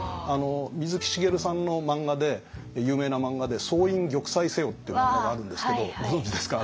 水木しげるさんの漫画で有名な漫画で「総員玉砕せよ」って漫画があるんですけどご存じですか？